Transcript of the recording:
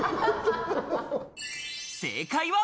正解は。